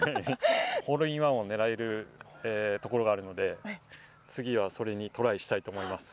ホールインワンを狙えるところがあるので次は、それにトライしたいと思います。